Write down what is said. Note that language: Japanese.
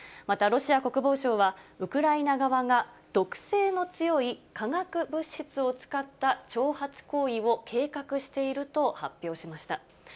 またロシア国防省は、ウクライナ側が毒性の強い化学物質を使った挑発行為を計画していると発表しました。